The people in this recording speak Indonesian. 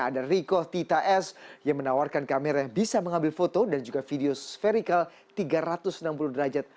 ada ricoh tita s yang menawarkan kamera yang bisa mengambil foto dan juga video vertikal tiga ratus enam puluh derajat